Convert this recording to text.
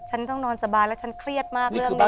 ฉันต้องนอนสบายแล้วฉันเครียดมากเรื่องนี้